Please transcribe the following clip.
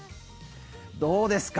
どうですか？